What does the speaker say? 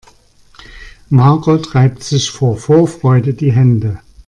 Margot reibt sich vor Vorfreude die Hände.